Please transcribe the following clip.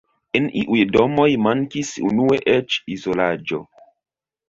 En iuj domoj mankis unue eĉ izolaĝo.